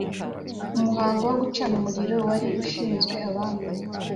umuhango wo gucana umuriro wari ushinzwe abami